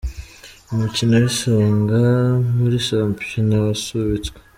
Umukino w’Isonga muri shampiyona wasubitswe